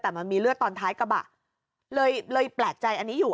แต่มันมีเลือดตอนท้ายกระบะเลยเลยแปลกใจอันนี้อยู่